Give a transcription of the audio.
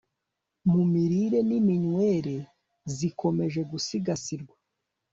mu mirire niminywere zikomeje gusigasirwa